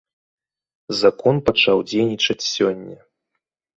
Закон пачаў дзейнічаць сёння.